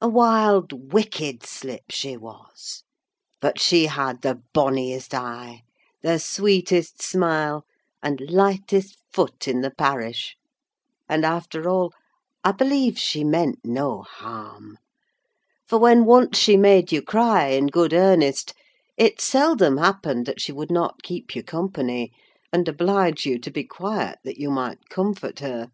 A wild, wicked slip she was—but she had the bonniest eye, the sweetest smile, and lightest foot in the parish: and, after all, I believe she meant no harm; for when once she made you cry in good earnest, it seldom happened that she would not keep you company, and oblige you to be quiet that you might comfort her.